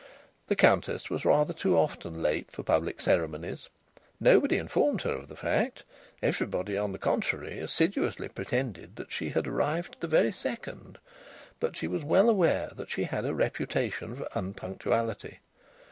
The Countess was rather too often late for public ceremonies. Nobody informed her of the fact. Everybody, on the contrary, assiduously pretended that she had arrived to the very second. But she was well aware that she had a reputation for unpunctuality.